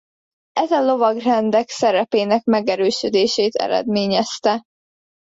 Ez a lovagrendek szerepének megerősödését eredményezte.